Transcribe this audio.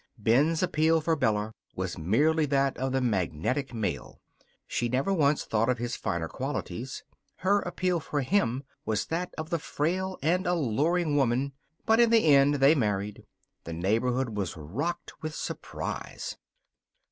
Ben's appeal for Bella was merely that of the magnetic male. She never once thought of his finer qualities. Her appeal for him was that of the frail and alluring woman. But in the end they married. The neighborhood was rocked with surprise.